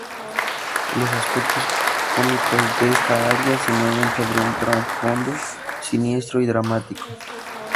Los aspectos cómicos de esta aria se mueven sobre un trasfondo siniestro y dramático.